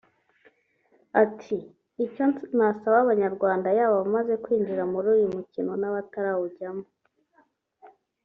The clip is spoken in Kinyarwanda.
Ati “Icyo nasaba abanyarwanda yaba abamaze kwinjira muri uyu mukino nabatarawujyamo